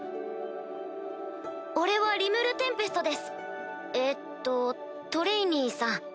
俺はリムル＝テンペストですええっとトレイニーさん